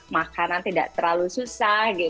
makanan tidak terlalu susah